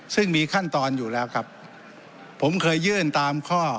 ซึ่งมีขั้นตอนอยู่แล้วครับผมเคยยื่นตามข้อ